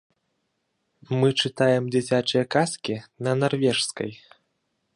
Мы чытаем дзіцячыя казкі на нарвежскай.